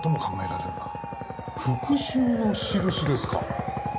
復讐の印ですか？